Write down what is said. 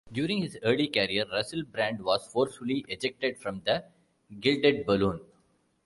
During his early career, Russell Brand was forcefully ejected from the Gilded Balloon.